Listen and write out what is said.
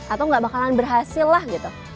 atau gak bakalan berhasil lah gitu